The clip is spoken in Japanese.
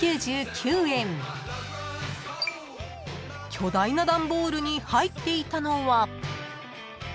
［巨大な段ボールに入っていたのは］